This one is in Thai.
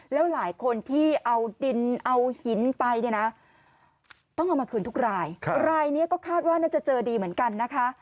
แล้วหลายคนที่เอาดินเอาหินไปเนี่ยนะต้องเอามาคืนทุกรายรายนี้ก็คาดว่าน่าจะเจอดีเหมือนกันนะคะ